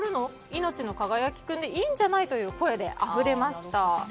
いのちの輝きくんでいいんじゃない？という声であふれました。